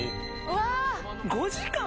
うわ！５時間！？